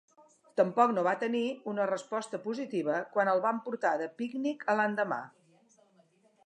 Tampoc no va tenir una resposta positiva quan el van portar de pícnic a l'endemà.